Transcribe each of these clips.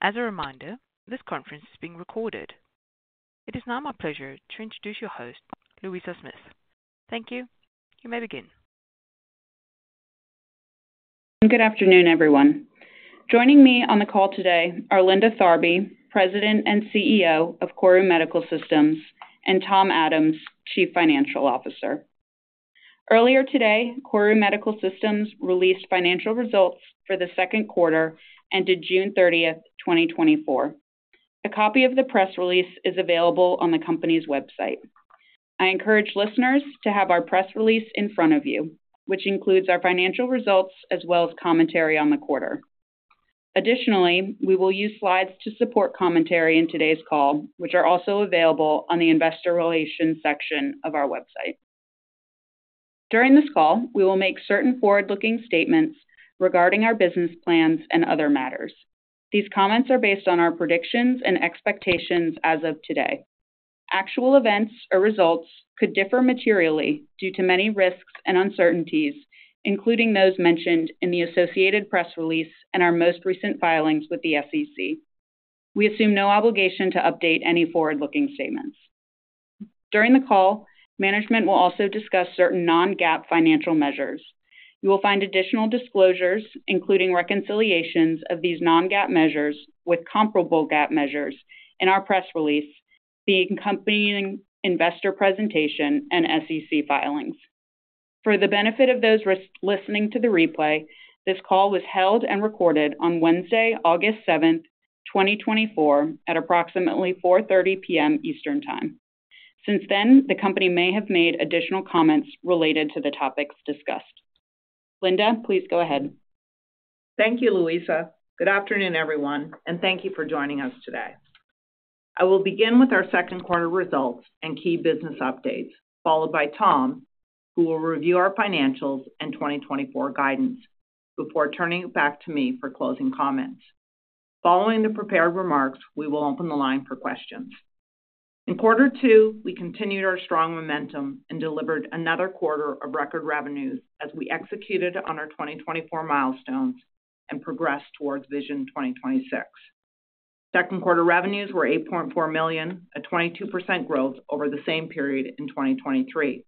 As a reminder, this conference is being recorded. It is now my pleasure to introduce your host, Louisa Smith. Thank you. You may begin. Good afternoon, everyone. Joining me on the call today are Linda Tharby, President and CEO of KORU Medical Systems, and Tom Adams, Chief Financial Officer. Earlier today, KORU Medical Systems released financial results for the second quarter ended June 30, 2024. A copy of the press release is available on the company's website. I encourage listeners to have our press release in front of you, which includes our financial results as well as commentary on the quarter. Additionally, we will use slides to support commentary in today's call, which are also available on the investor relations section of our website. During this call, we will make certain forward-looking statements regarding our business plans and other matters. These comments are based on our predictions and expectations as of today. Actual events or results could differ materially due to many risks and uncertainties, including those mentioned in the associated press release and our most recent filings with the SEC. We assume no obligation to update any forward-looking statements. During the call, management will also discuss certain Non-GAAP financial measures. You will find additional disclosures, including reconciliations of these Non-GAAP measures with comparable GAAP measures, in our press release, the accompanying investor presentation, and SEC filings. For the benefit of those listening to the replay, this call was held and recorded on Wednesday, August 7, 2024, at approximately 4:30 P.M. Eastern Time. Since then, the company may have made additional comments related to the topics discussed. Linda, please go ahead. Thank you, Louisa. Good afternoon, everyone, and thank you for joining us today. I will begin with our second quarter results and key business updates, followed by Tom, who will review our financials and 2024 guidance, before turning it back to me for closing comments. Following the prepared remarks, we will open the line for questions. In quarter two, we continued our strong momentum and delivered another quarter of record revenues as we executed on our 2024 milestones and progressed towards Vision 2026. Second quarter revenues were $8.4 million, a 22% growth over the same period in 2023.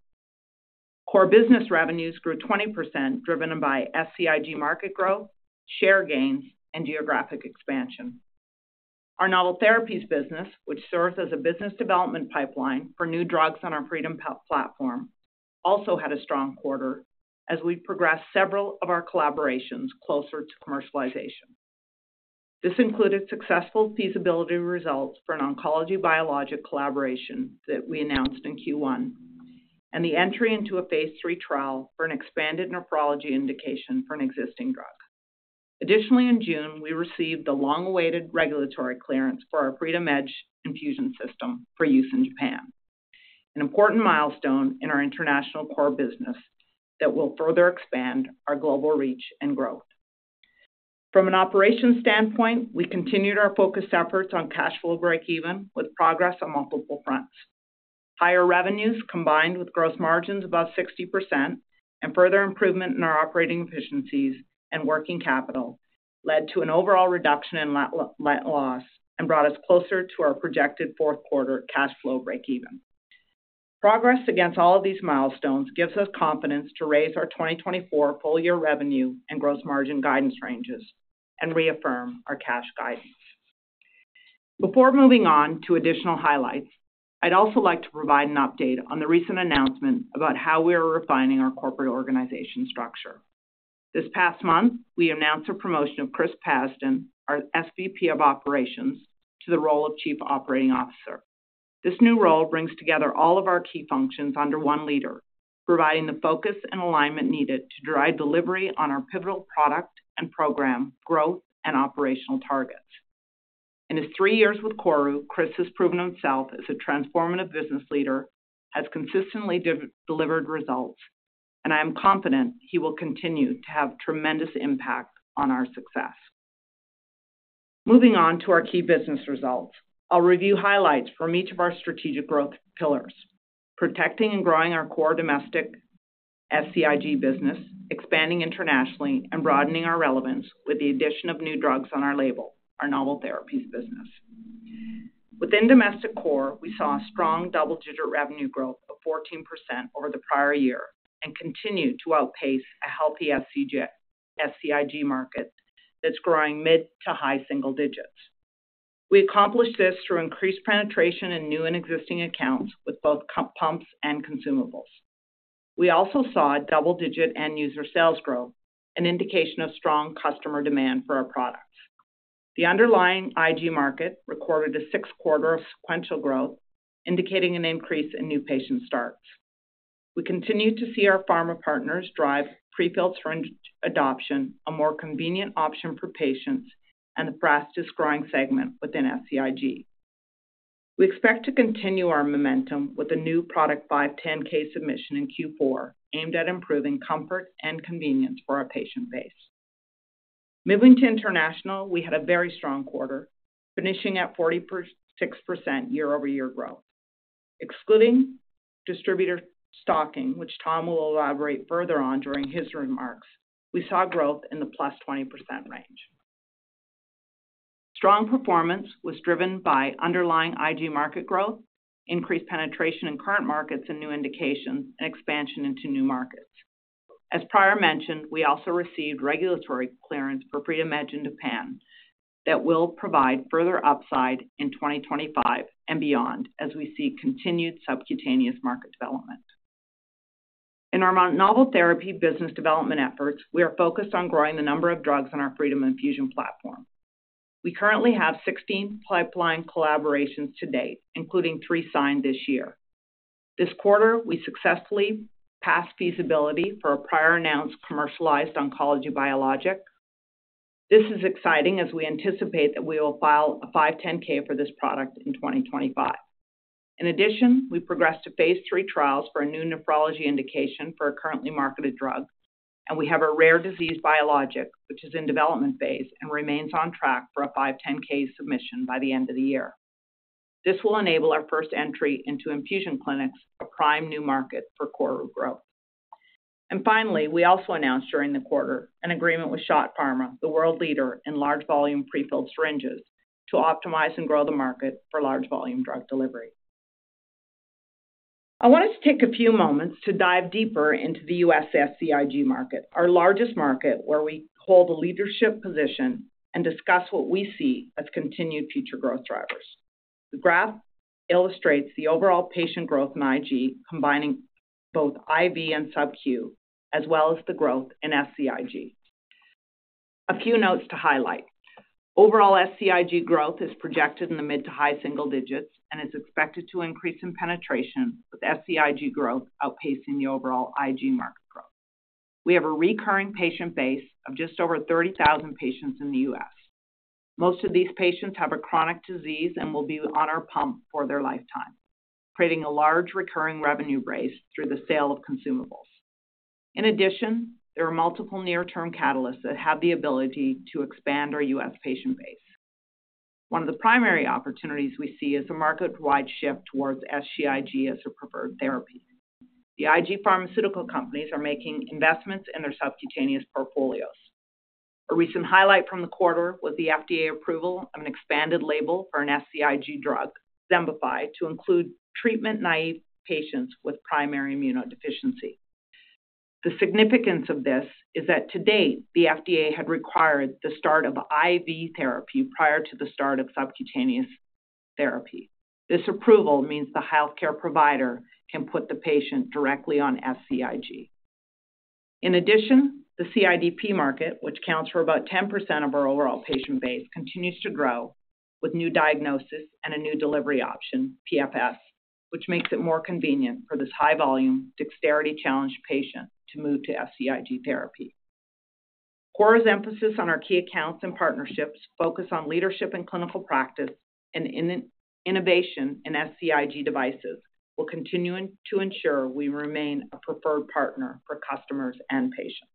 Core business revenues grew 20%, driven by SCIG market growth, share gains, and geographic expansion. Our novel therapies business, which serves as a business development pipeline for new drugs on our Freedom Platform, also had a strong quarter as we progressed several of our collaborations closer to commercialization. This included successful feasibility results for an oncology-biologic collaboration that we announced in Q1, and the entry into a phase three trial for an expanded nephrology indication for an existing drug. Additionally, in June, we received the long-awaited regulatory clearance for our Freedom Edge infusion system for use in Japan, an important milestone in our international core business that will further expand our global reach and growth. From an operations standpoint, we continued our focused efforts on cash flow breakeven with progress on multiple fronts. Higher revenues combined with gross margins above 60% and further improvement in our operating efficiencies and working capital led to an overall reduction in net loss and brought us closer to our projected fourth quarter cash flow breakeven. Progress against all of these milestones gives us confidence to raise our 2024 full-year revenue and gross margin guidance ranges and reaffirm our cash guidance. Before moving on to additional highlights, I'd also like to provide an update on the recent announcement about how we are refining our corporate organization structure. This past month, we announced the promotion of Chris Pazdan, our SVP of Operations, to the role of Chief Operating Officer. This new role brings together all of our key functions under one leader, providing the focus and alignment needed to drive delivery on our pivotal product and program growth and operational targets. In his three years with KORU, Chris has proven himself as a transformative business leader, has consistently delivered results, and I am confident he will continue to have tremendous impact on our success. Moving on to our key business results, I'll review highlights from each of our strategic growth pillars: protecting and growing our core domestic SCIG business, expanding internationally, and broadening our relevance with the addition of new drugs on our label, our novel therapies business. Within domestic core, we saw a strong double-digit revenue growth of 14% over the prior year and continue to outpace a healthy SCIG market that's growing mid to high single digits. We accomplished this through increased penetration in new and existing accounts with both pumps and consumables. We also saw double-digit end-user sales growth, an indication of strong customer demand for our products. The underlying IG market recorded a sixth quarter of sequential growth, indicating an increase in new patient starts. We continue to see our pharma partners drive prefills for adoption, a more convenient option for patients, and the fastest growing segment within SCIG. We expect to continue our momentum with a new product 510(k) submission in Q4 aimed at improving comfort and convenience for our patient base. Moving to international, we had a very strong quarter, finishing at 46% year-over-year growth. Excluding distributor stocking, which Tom will elaborate further on during his remarks, we saw growth in the +20% range. Strong performance was driven by underlying IG market growth, increased penetration in current markets and new indications, and expansion into new markets. As previously mentioned, we also received regulatory clearance for Freedom Edge in Japan that will provide further upside in 2025 and beyond as we see continued subcutaneous market development. In our novel therapy business development efforts, we are focused on growing the number of drugs on our Freedom Infusion platform. We currently have 16 pipeline collaborations to date, including three signed this year. This quarter, we successfully passed feasibility for a prior-announced commercialized oncology biologic. This is exciting as we anticipate that we will file a 510(k) for this product in 2025. In addition, we progressed to phase three trials for a new nephrology indication for a currently marketed drug, and we have a rare disease biologic, which is in development phase and remains on track for a 510(k) submission by the end of the year. This will enable our first entry into infusion clinics, a prime new market for KORU growth. And finally, we also announced during the quarter an agreement with SCHOTT Pharma, the world leader in large volume prefilled syringes, to optimize and grow the market for large volume drug delivery. I wanted to take a few moments to dive deeper into the U.S. SCIG market, our largest market where we hold a leadership position and discuss what we see as continued future growth drivers. The graph illustrates the overall patient growth in IG, combining both IV and subq, as well as the growth in SCIG. A few notes to highlight: overall SCIG growth is projected in the mid- to high-single digits and is expected to increase in penetration, with SCIG growth outpacing the overall IG market growth. We have a recurring patient base of just over 30,000 patients in the U.S. Most of these patients have a chronic disease and will be on our pump for their lifetime, creating a large recurring revenue base through the sale of consumables. In addition, there are multiple near-term catalysts that have the ability to expand our U.S. patient base. One of the primary opportunities we see is a market-wide shift towards SCIG as a preferred therapy. The IG pharmaceutical companies are making investments in their subcutaneous portfolios. A recent highlight from the quarter was the FDA approval of an expanded label for an SCIG drug, Xembify, to include treatment-naive patients with primary immunodeficiency. The significance of this is that to date, the FDA had required the start of IV therapy prior to the start of subcutaneous therapy. This approval means the healthcare provider can put the patient directly on SCIG. In addition, the CIDP market, which accounts for about 10% of our overall patient base, continues to grow with new diagnosis and a new delivery option, PFS, which makes it more convenient for this high-volume, dexterity-challenged patient to move to SCIG therapy. KORU's emphasis on our key accounts and partnerships focuses on leadership in clinical practice and innovation in SCIG devices, while continuing to ensure we remain a preferred partner for customers and patients.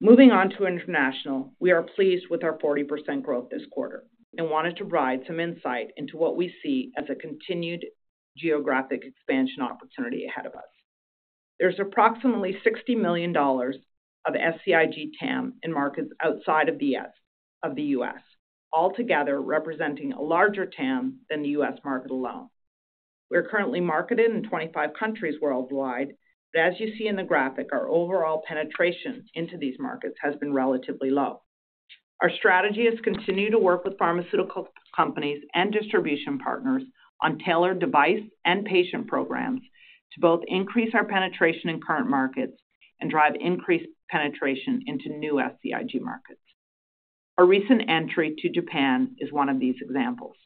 Moving on to international, we are pleased with our 40% growth this quarter and wanted to provide some insight into what we see as a continued geographic expansion opportunity ahead of us. There's approximately $60 million of SCIG TAM in markets outside of the U.S., altogether representing a larger TAM than the U.S. market alone. We are currently marketed in 25 countries worldwide, but as you see in the graphic, our overall penetration into these markets has been relatively low. Our strategy is to continue to work with pharmaceutical companies and distribution partners on tailored device and patient programs to both increase our penetration in current markets and drive increased penetration into new SCIG markets. Our recent entry to Japan is one of these examples.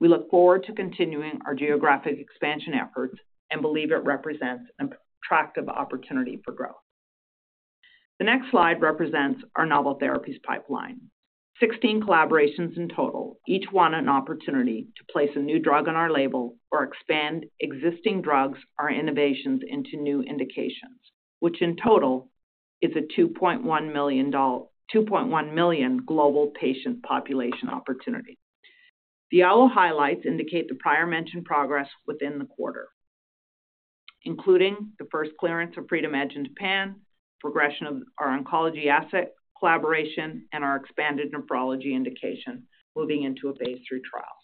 We look forward to continuing our geographic expansion efforts and believe it represents an attractive opportunity for growth. The next slide represents our novel therapies pipeline. 16 collaborations in total, each one an opportunity to place a new drug on our label or expand existing drugs, our innovations into new indications, which in total is a 2.1 million global patient population opportunity. The OWL highlights indicate the prior-mentioned progress within the quarter, including the first clearance of Freedom Edge in Japan, progression of our oncology asset collaboration, and our expanded nephrology indication moving into a phase three trial.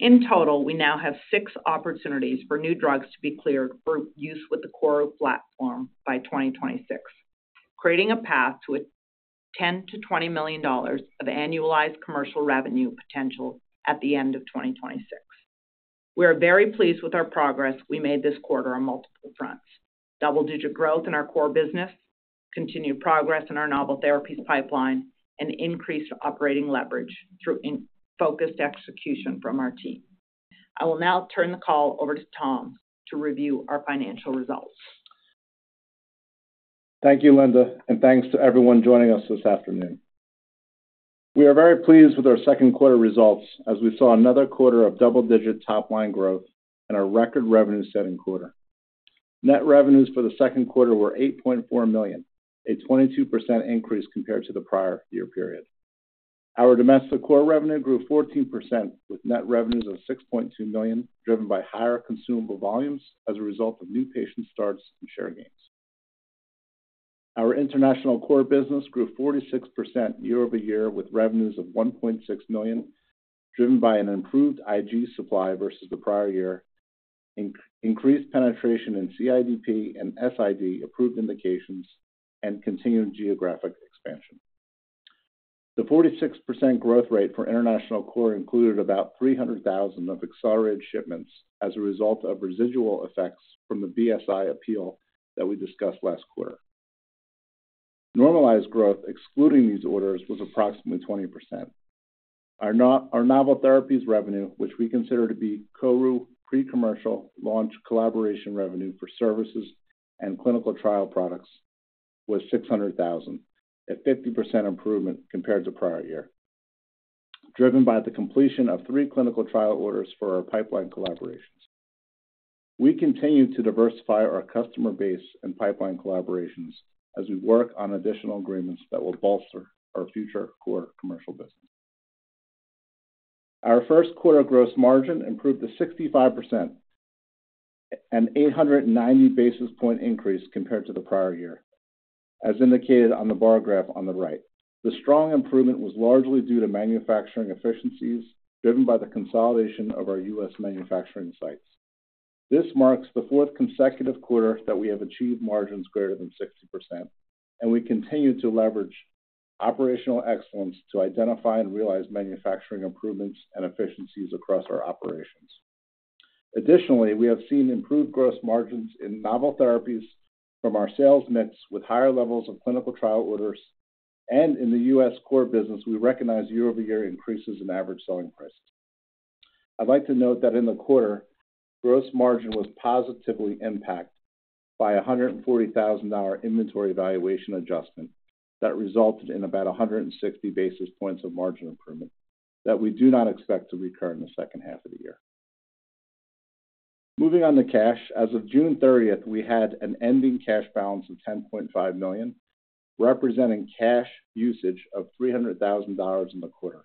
In total, we now have six opportunities for new drugs to be cleared for use with the KORU platform by 2026, creating a path to $10-$20 million of annualized commercial revenue potential at the end of 2026. We are very pleased with our progress we made this quarter on multiple fronts: double-digit growth in our core business, continued progress in our novel therapies pipeline, and increased operating leverage through focused execution from our team. I will now turn the call over to Tom to review our financial results. Thank you, Linda, and thanks to everyone joining us this afternoon. We are very pleased with our second quarter results as we saw another quarter of double-digit top-line growth and a record revenue-setting quarter. Net revenues for the second quarter were $8.4 million, a 22% increase compared to the prior year period. Our domestic core revenue grew 14%, with net revenues of $6.2 million driven by higher consumable volumes as a result of new patient starts and share gains. Our international core business grew 46% year-over-year, with revenues of $1.6 million, driven by an improved IG supply versus the prior year, increased penetration in CIDP and SID approved indications, and continued geographic expansion. The 46% growth rate for international core included about $300,000 of accelerated shipments as a result of residual effects from the BSI appeal that we discussed last quarter. Normalized growth, excluding these orders, was approximately 20%. Our novel therapies revenue, which we consider to be KORU pre-commercial launch collaboration revenue for services and clinical trial products, was $600,000, a 50% improvement compared to prior year, driven by the completion of three clinical trial orders for our pipeline collaborations. We continue to diversify our customer base and pipeline collaborations as we work on additional agreements that will bolster our future core commercial business. Our first quarter gross margin improved to 65%, an 890 basis point increase compared to the prior year, as indicated on the bar graph on the right. The strong improvement was largely due to manufacturing efficiencies driven by the consolidation of our U.S. manufacturing sites. This marks the fourth consecutive quarter that we have achieved margins greater than 60%, and we continue to leverage operational excellence to identify and realize manufacturing improvements and efficiencies across our operations. Additionally, we have seen improved gross margins in novel therapies from our sales mix, with higher levels of clinical trial orders, and in the U.S. core business, we recognize year-over-year increases in average selling prices. I'd like to note that in the quarter, gross margin was positively impacted by a $140,000 inventory valuation adjustment that resulted in about 160 basis points of margin improvement that we do not expect to recur in the second half of the year. Moving on to cash, as of June 30th, we had an ending cash balance of $10.5 million, representing cash usage of $300,000 in the quarter.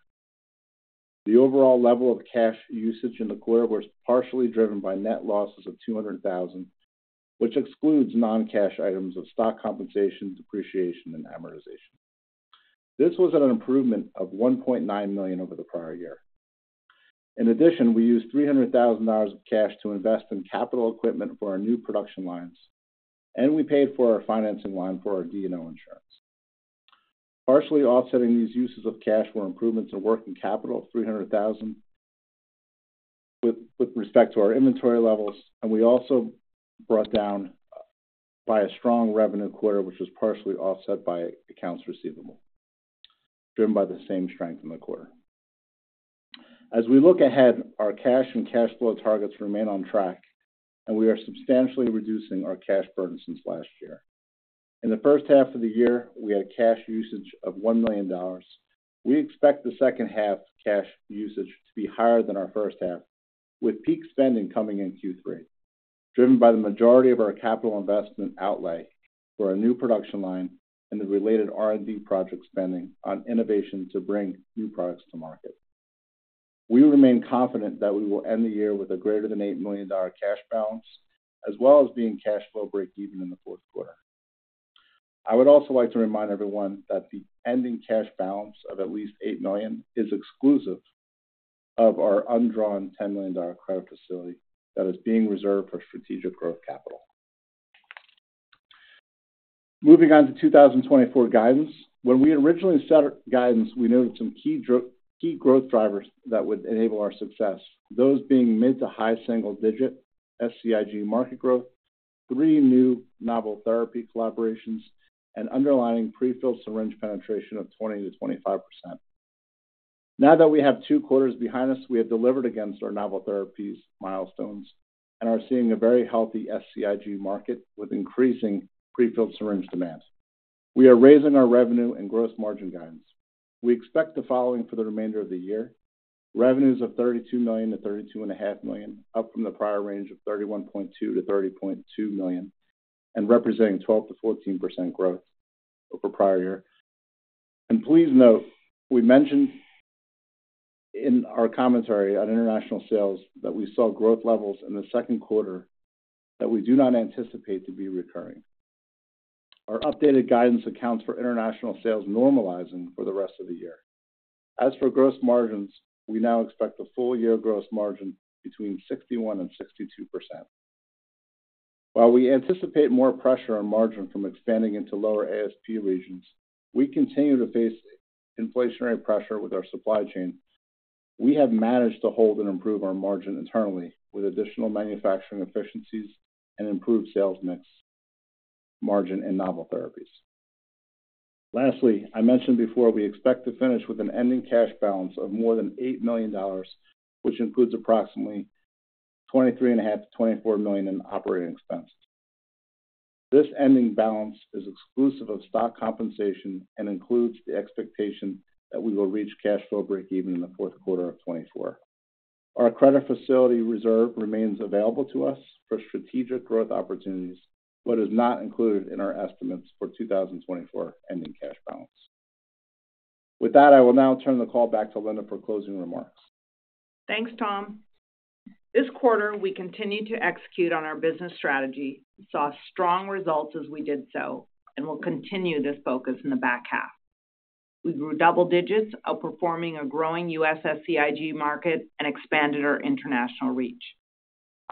The overall level of cash usage in the quarter was partially driven by net losses of $200,000, which excludes non-cash items of stock compensation, depreciation, and amortization. This was an improvement of $1.9 million over the prior year. In addition, we used $300,000 of cash to invest in capital equipment for our new production lines, and we paid for our financing line for our D&O insurance. Partially offsetting these uses of cash were improvements in working capital of $300,000 with respect to our inventory levels, and we also brought down by a strong revenue quarter, which was partially offset by accounts receivable, driven by the same strength in the quarter. As we look ahead, our cash and cash flow targets remain on track, and we are substantially reducing our cash burden since last year. In the first half of the year, we had a cash usage of $1 million. We expect the second half cash usage to be higher than our first half, with peak spending coming in Q3, driven by the majority of our capital investment outlay for our new production line and the related R&D project spending on innovation to bring new products to market. We remain confident that we will end the year with a greater than $8 million cash balance, as well as being cash flow break-even in the fourth quarter. I would also like to remind everyone that the ending cash balance of at least $8 million is exclusive of our undrawn $10 million credit facility that is being reserved for strategic growth capital. Moving on to 2024 guidance, when we originally set guidance, we noted some key growth drivers that would enable our success, those being mid to high single-digit SCIG market growth, three new novel therapy collaborations, and underlying prefilled syringe penetration of 20%-25%. Now that we have two quarters behind us, we have delivered against our novel therapies milestones and are seeing a very healthy SCIG market with increasing prefilled syringe demand. We are raising our revenue and gross margin guidance. We expect the following for the remainder of the year: revenues of $32 million-$32.5 million, up from the prior range of $31.2 million-$30.2 million, and representing 12%-14% growth over prior year. And please note, we mentioned in our commentary on international sales that we saw growth levels in the second quarter that we do not anticipate to be recurring. Our updated guidance accounts for international sales normalizing for the rest of the year. As for gross margins, we now expect a full-year gross margin between 61%-62%. While we anticipate more pressure on margin from expanding into lower ASP regions, we continue to face inflationary pressure with our supply chain. We have managed to hold and improve our margin internally with additional manufacturing efficiencies and improved sales mix margin in novel therapies. Lastly, I mentioned before we expect to finish with an ending cash balance of more than $8 million, which includes approximately $23.5 million-$24 million in operating expenses. This ending balance is exclusive of stock compensation and includes the expectation that we will reach cash flow break-even in the fourth quarter of 2024. Our credit facility reserve remains available to us for strategic growth opportunities but is not included in our estimates for 2024 ending cash balance. With that, I will now turn the call back to Linda for closing remarks. Thanks, Tom. This quarter, we continue to execute on our business strategy, saw strong results as we did so, and will continue this focus in the back half. We grew double digits, outperforming a growing U.S. SCIG market and expanded our international reach.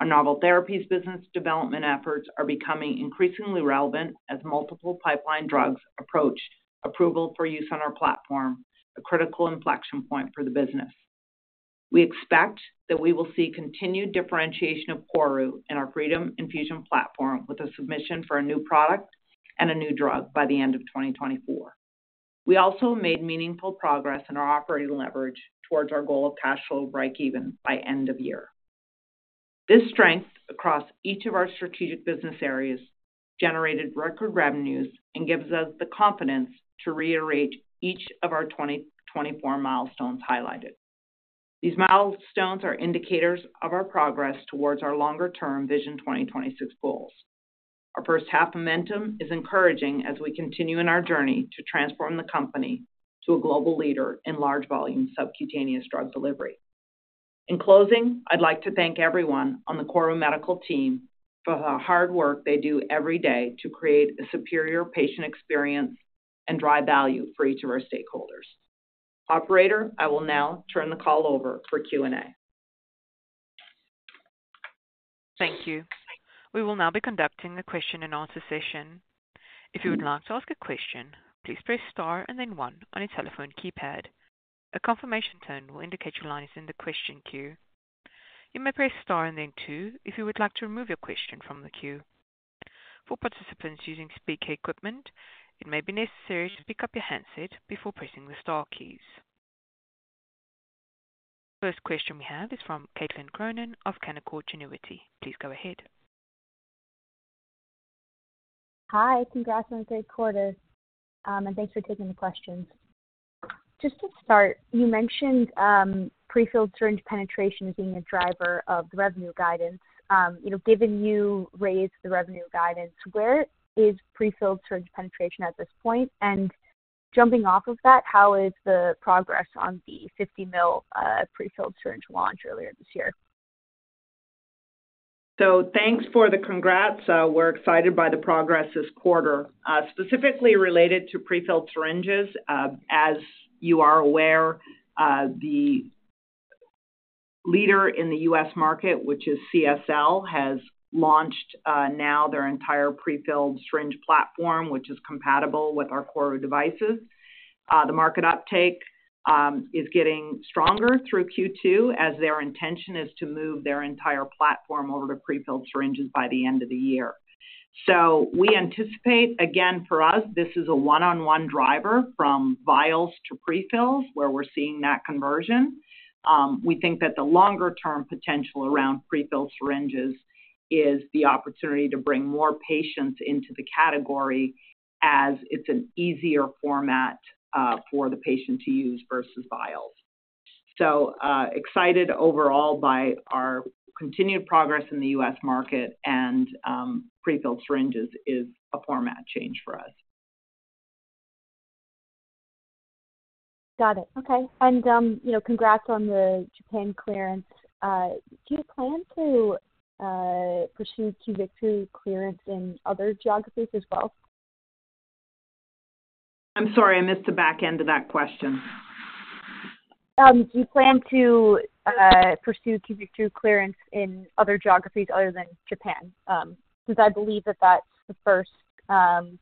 Our novel therapies business development efforts are becoming increasingly relevant as multiple pipeline drugs approach approval for use on our platform, a critical inflection point for the business. We expect that we will see continued differentiation of KORU in our freedom infusion platform with a submission for a new product and a new drug by the end of 2024. We also made meaningful progress in our operating leverage towards our goal of cash flow break-even by end of year. This strength across each of our strategic business areas generated record revenues and gives us the confidence to reiterate each of our 2024 milestones highlighted. These milestones are indicators of our progress towards our longer-term Vision 2026 goals. Our first half momentum is encouraging as we continue in our journey to transform the company to a global leader in large-volume subcutaneous drug delivery. In closing, I'd like to thank everyone on the KORU Medical Team for the hard work they do every day to create a superior patient experience and drive value for each of our stakeholders. Operator, I will now turn the call over for Q&A. Thank you. We will now be conducting a question-and-answer session. If you would like to ask a question, please press star and then one on your telephone keypad. A confirmation tone will indicate your line is in the question queue. You may press star and then two if you would like to remove your question from the queue. For participants using speaker equipment, it may be necessary to pick up your handset before pressing the star keys. The first question we have is from Caitlin Cronin of Canaccord Genuity. Please go ahead. Hi, congrats on the third quarter, and thanks for taking the questions. Just to start, you mentioned prefilled syringe penetration as being a driver of the revenue guidance. Given you raised the revenue guidance, where is prefilled syringe penetration at this point? And jumping off of that, how is the progress on the 50 mL prefilled syringe launch earlier this year? So thanks for the congrats. We're excited by the progress this quarter, specifically related to prefilled syringes. As you are aware, the leader in the U.S. market, which is CSL, has launched now their entire prefilled syringe platform, which is compatible with our KORU devices. The market uptake is getting stronger through Q2, as their intention is to move their entire platform over to prefilled syringes by the end of the year. So we anticipate, again, for us, this is a one-on-one driver from vials to prefills, where we're seeing that conversion. We think that the longer-term potential around prefilled syringes is the opportunity to bring more patients into the category, as it's an easier format for the patient to use versus vials. So excited overall by our continued progress in the U.S. market, and prefilled syringes is a format change for us. Got it. Okay. Congrats on the Japan clearance. Do you plan to pursue Cuvitru clearance in other geographies as well? I'm sorry, I missed the back end of that question. Do you plan to pursue Cuvitru clearance in other geographies other than Japan, since I believe that that's the first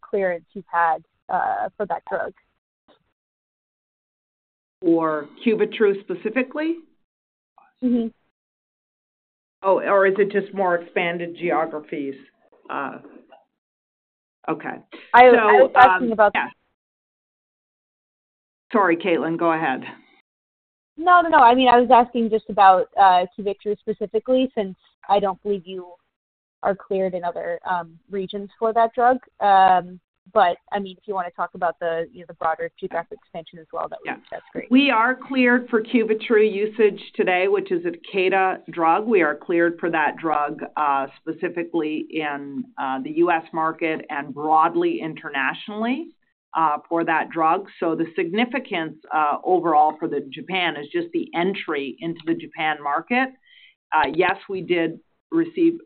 clearance you've had for that drug? For Cuvitru specifically? Mm-hmm. Or is it just more expanded geographies? Okay. I was asking about. Yeah. Sorry, Caitlin, go ahead. No, no, no. I mean, I was asking just about Cuvitru specifically, since I don't believe you are cleared in other regions for that drug. But I mean, if you want to talk about the broader Cuvitru expansion as well, that would be great. We are cleared for Cuvitru usage today, which is a Takeda drug. We are cleared for that drug specifically in the U.S. market and broadly internationally for that drug. So the significance overall for Japan is just the entry into the Japan market. Yes, we did receive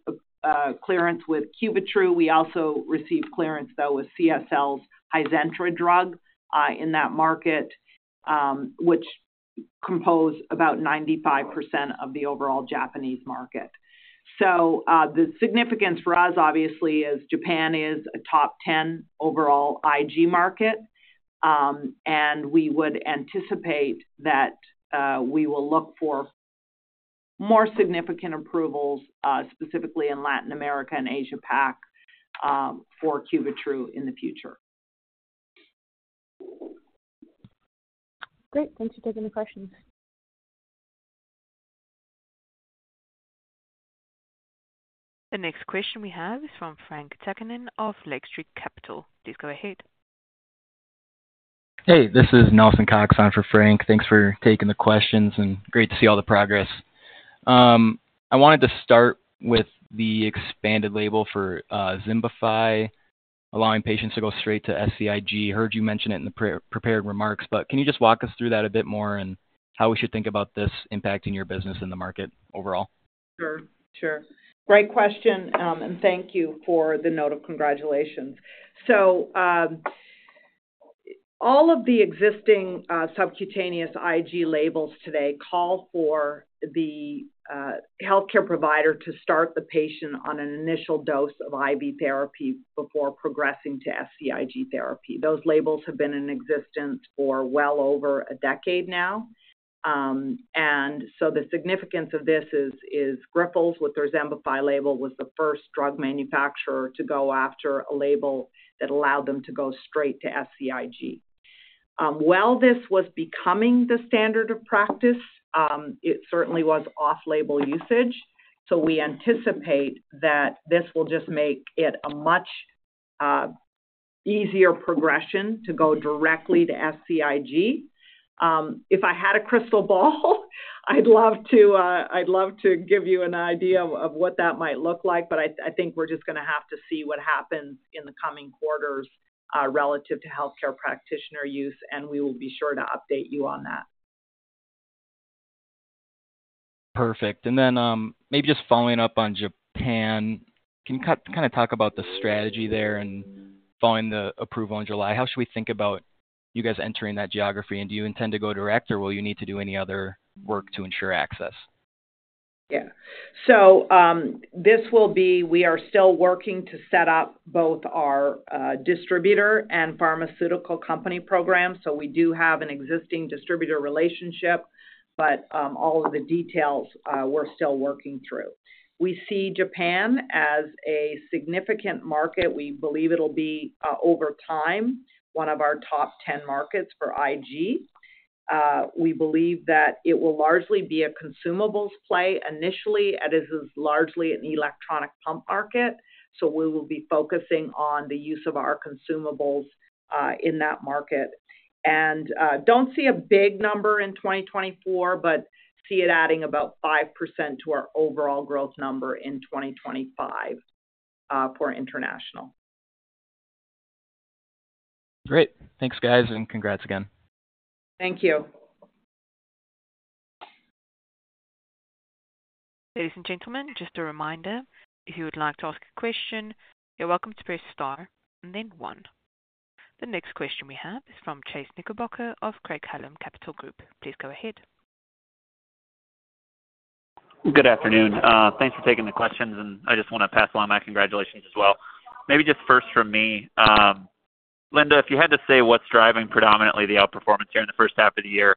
clearance with Cuvitru. We also received clearance, though, with CSL's Hizentra drug in that market, which composed about 95% of the overall Japanese market. So the significance for us, obviously, is Japan is a top 10 overall IG market, and we would anticipate that we will look for more significant approvals, specifically in Latin America and Asia-Pacific, for Cuvitru in the future. Great. Thanks for taking the questions. The next question we have is from Frank Takkinen of Lake Street Capital Markets. Please go ahead. Hey, this is Nelson Cox. I'm for Frank. Thanks for taking the questions, and great to see all the progress. I wanted to start with the expanded label for Xembify, allowing patients to go straight to SCIG. Heard you mention it in the prepared remarks, but can you just walk us through that a bit more and how we should think about this impacting your business and the market overall? Sure. Sure. Great question, and thank you for the note of congratulations. So all of the existing subcutaneous IG labels today call for the healthcare provider to start the patient on an initial dose of IV therapy before progressing to SCIG therapy. Those labels have been in existence for well over a decade now. So the significance of this is Grifols, with their Xembify label, was the first drug manufacturer to go after a label that allowed them to go straight to SCIG. While this was becoming the standard of practice, it certainly was off-label usage. So we anticipate that this will just make it a much easier progression to go directly to SCIG. If I had a crystal ball, I'd love to give you an idea of what that might look like, but I think we're just going to have to see what happens in the coming quarters relative to healthcare practitioner use, and we will be sure to update you on that. Perfect. Then maybe just following up on Japan, can you kind of talk about the strategy there and following the approval in July? How should we think about you guys entering that geography? And do you intend to go direct, or will you need to do any other work to ensure access? Yeah. So this will be we are still working to set up both our distributor and pharmaceutical company program. So we do have an existing distributor relationship, but all of the details we're still working through. We see Japan as a significant market. We believe it'll be, over time, one of our top 10 markets for IG. We believe that it will largely be a consumables play initially. It is largely an electronic pump market, so we will be focusing on the use of our consumables in that market. And don't see a big number in 2024, but see it adding about 5% to our overall growth number in 2025 for international. Great. Thanks, guys, and congrats again. Thank you. Ladies and gentlemen, just a reminder, if you would like to ask a question, you're welcome to press star and then one. The next question we have is from Chase Knickerbocker of Craig-Hallum Capital Group. Please go ahead. Good afternoon. Thanks for taking the questions, and I just want to pass along my congratulations as well. Maybe just first from me, Linda, if you had to say what's driving predominantly the outperformance here in the first half of the year,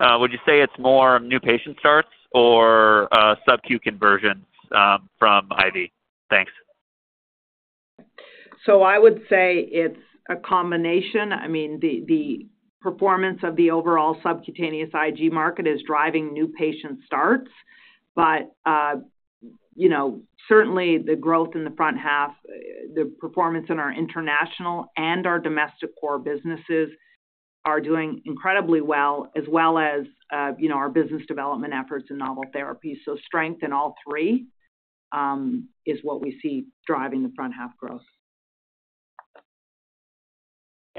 would you say it's more new patient starts or subcu conversions from IV? Thanks. So I would say it's a combination. I mean, the performance of the overall subcutaneous IG market is driving new patient starts, but certainly the growth in the front half, the performance in our international and our domestic core businesses are doing incredibly well, as well as our business development efforts in novel therapy. So strength in all three is what we see driving the front half growth.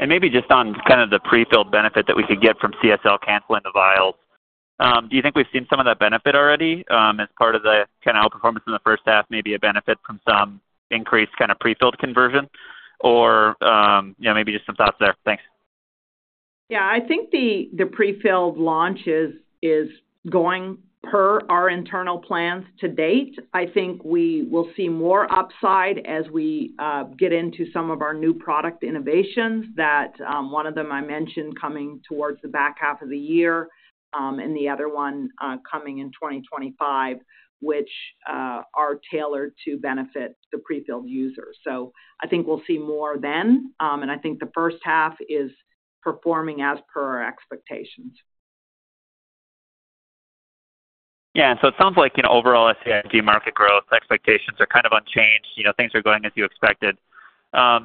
Maybe just on kind of the prefilled benefit that we could get from CSL canceling the vials, do you think we've seen some of that benefit already as part of the kind of outperformance in the first half, maybe a benefit from some increased kind of prefilled conversion? Or maybe just some thoughts there. Thanks. Yeah. I think the prefilled launch is going per our internal plans to date. I think we will see more upside as we get into some of our new product innovations. One of them I mentioned coming towards the back half of the year and the other one coming in 2025, which are tailored to benefit the prefilled users. So I think we'll see more then, and I think the first half is performing as per our expectations. Yeah. So it sounds like overall SCIG market growth expectations are kind of unchanged. Things are going as you expected.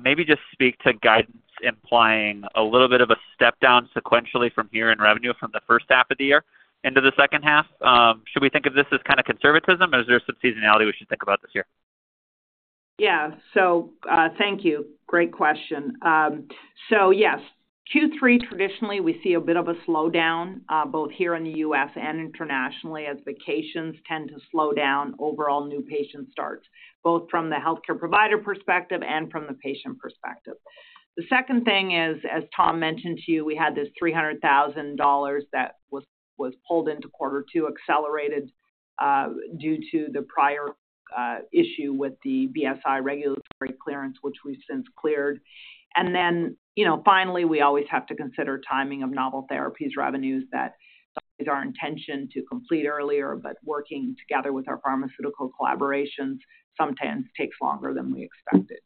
Maybe just speak to guidance implying a little bit of a step down sequentially from here in revenue from the first half of the year into the second half. Should we think of this as kind of conservatism, or is there some seasonality we should think about this year? Yeah. So thank you. Great question. So yes, Q3, traditionally, we see a bit of a slowdown, both here in the U.S. and internationally, as vacations tend to slow down overall new patient starts, both from the healthcare provider perspective and from the patient perspective. The second thing is, as Tom mentioned to you, we had this $300,000 that was pulled into quarter two, accelerated due to the prior issue with the BSI regulatory clearance, which we've since cleared. And then finally, we always have to consider timing of novel therapies revenues that are intentioned to complete earlier, but working together with our pharmaceutical collaborations sometimes takes longer than we expected.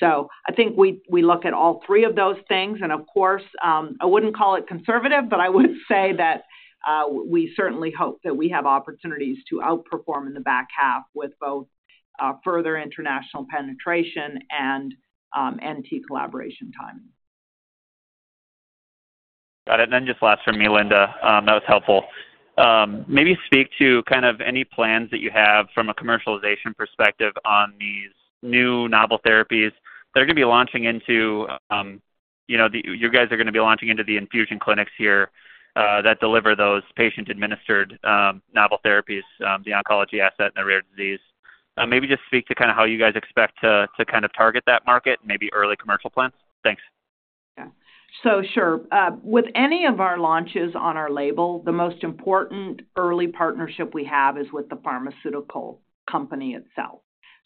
So I think we look at all three of those things. Of course, I wouldn't call it conservative, but I would say that we certainly hope that we have opportunities to outperform in the back half with both further international penetration and NT collaboration timing. Got it. And then just last from me, Linda. That was helpful. Maybe speak to kind of any plans that you have from a commercialization perspective on these new novel therapies that are going to be launching into you guys are going to be launching into the infusion clinics here that deliver those patient-administered novel therapies, the oncology asset and the rare disease. Maybe just speak to kind of how you guys expect to kind of target that market, maybe early commercial plans. Thanks. Yeah. So sure. With any of our launches on our label, the most important early partnership we have is with the pharmaceutical company itself.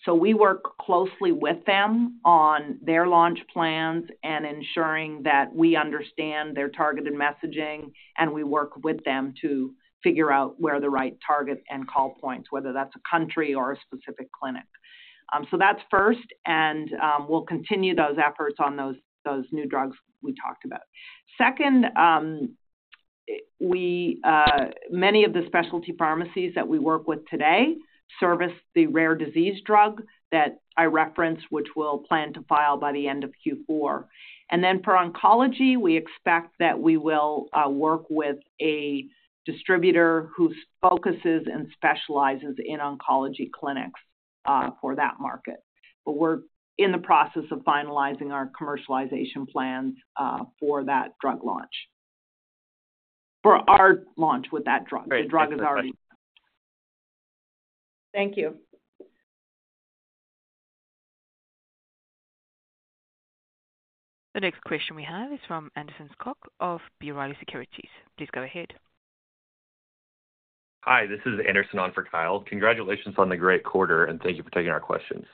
So we work closely with them on their launch plans and ensuring that we understand their targeted messaging, and we work with them to figure out where the right target and call points, whether that's a country or a specific clinic. So that's first, and we'll continue those efforts on those new drugs we talked about. Second, many of the specialty pharmacies that we work with today service the rare disease drug that I referenced, which we'll plan to file by the end of Q4. And then for oncology, we expect that we will work with a distributor who focuses and specializes in oncology clinics for that market. But we're in the process of finalizing our commercialization plans for that drug launch, for our launch with that drug. The drug is already launched. Thank you. The next question we have is from Anderson Schock of B. Riley Securities. Please go ahead. Hi. This is Anderson on for Kyle. Congratulations on the great quarter, and thank you for taking our questions.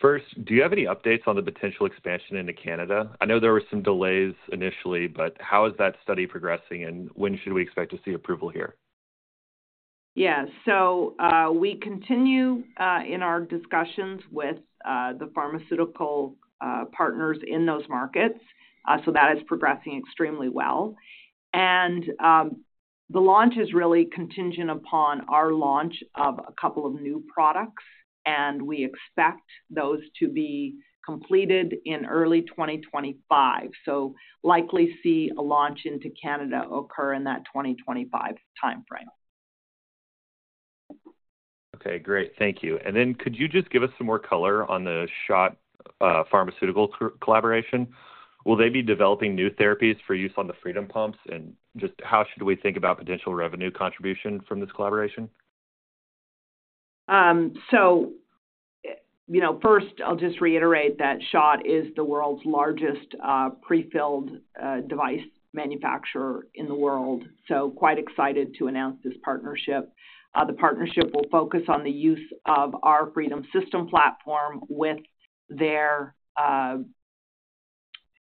First, do you have any updates on the potential expansion into Canada? I know there were some delays initially, but how is that study progressing, and when should we expect to see approval here? Yeah. So we continue in our discussions with the pharmaceutical partners in those markets, so that is progressing extremely well. And the launch is really contingent upon our launch of a couple of new products, and we expect those to be completed in early 2025. So likely see a launch into Canada occur in that 2025 timeframe. Okay. Great. Thank you. And then could you just give us some more color on the SCHOTT Pharma collaboration? Will they be developing new therapies for use on the Freedom pumps, and just how should we think about potential revenue contribution from this collaboration? So first, I'll just reiterate that SCHOTT is the world's largest prefilled device manufacturer in the world. So quite excited to announce this partnership. The partnership will focus on the use of our Freedom system platform with their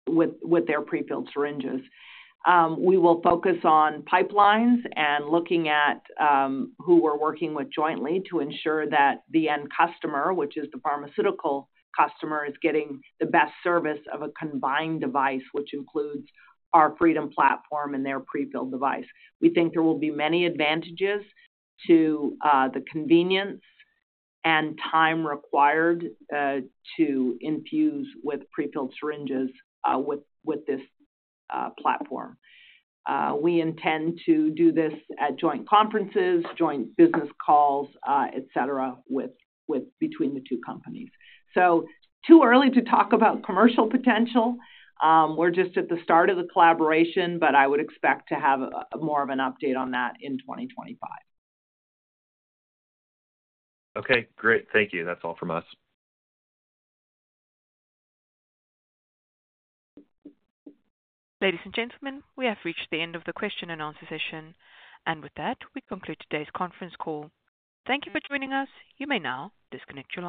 prefilled syringes. We will focus on pipelines and looking at who we're working with jointly to ensure that the end customer, which is the pharmaceutical customer, is getting the best service of a combined device, which includes our Freedom platform and their prefilled device. We think there will be many advantages to the convenience and time required to infuse with prefilled syringes with this platform. We intend to do this at joint conferences, joint business calls, etc., between the two companies. So too early to talk about commercial potential. We're just at the start of the collaboration, but I would expect to have more of an update on that in 2025. Okay. Great. Thank you. That's all from us. Ladies and gentlemen, we have reached the end of the question and answer session. With that, we conclude today's conference call. Thank you for joining us. You may now disconnect your.